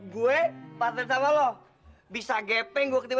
gue partner sama lo bisa gepeng gue ketika